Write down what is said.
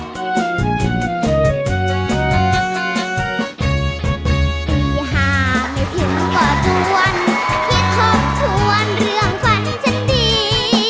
ปีหาไม่ถึงกว่าทุนที่ทบทวนเรื่องฝันฉันดี